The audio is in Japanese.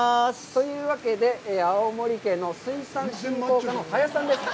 というわけで、青森県の水産振興課の林さんです。